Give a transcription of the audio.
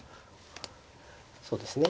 そうですね。